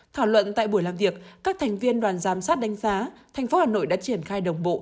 thảo luận tại buổi làm việc các thành viên đoàn giám sát đánh giá thành phố hà nội đã triển khai đồng bộ